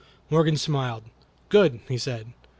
Morgan smiled. "Good!" he said.